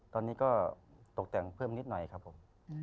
ตอนนี้ก็ตกแต่งเพิ่มนิดหน่อยครับผม